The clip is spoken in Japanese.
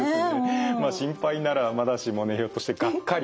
心配ならまだしもねひょっとしてがっかり。